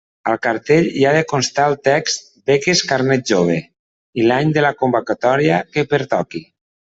Al cartell hi ha de constar el text “beques Carnet Jove” i l'any de la convocatòria que pertoqui.